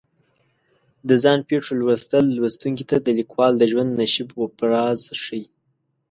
د ځان پېښو لوستل لوستونکي ته د لیکوال د ژوند نشیب و فراز ښیي.